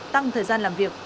tăng thời gian làm việc